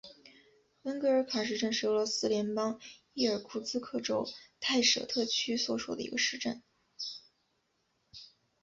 文格尔卡市镇是俄罗斯联邦伊尔库茨克州泰舍特区所属的一个市镇。